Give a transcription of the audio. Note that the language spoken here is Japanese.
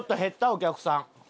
お客さん。